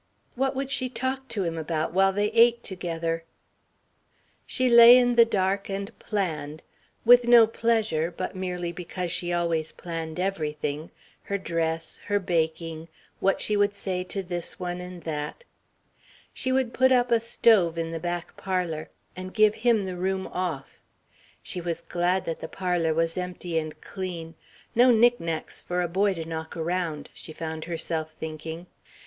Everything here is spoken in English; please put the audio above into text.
What would she talk to him about while they ate together? [Illustration: "HE STOOD LOOKING AT IT FROM PART WAY ACROSS THE ROAD"] She lay in the dark and planned with no pleasure, but merely because she always planned everything, her dress, her baking, what she would say to this one and that. She would put up a stove in the back parlour, and give him the room "off." She was glad that the parlour was empty and clean "no knick knacks for a boy to knock around," she found herself thinking.